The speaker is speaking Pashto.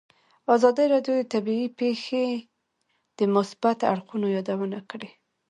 ازادي راډیو د طبیعي پېښې د مثبتو اړخونو یادونه کړې.